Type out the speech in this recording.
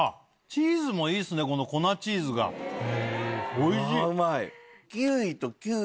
おいしい。